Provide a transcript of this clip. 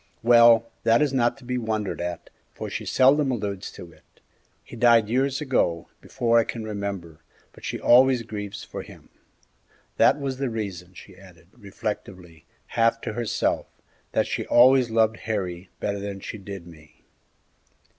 "Well, that is not to be wondered at, for she seldom alludes to it. He died years ago, before I can remember, but she always grieves for him; that was the reason," she added, reflectively, half to herself, "that she always loved Harry better than she did me."